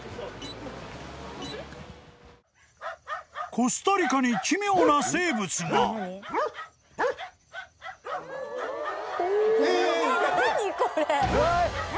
［コスタリカに奇妙な生物が］えっ！？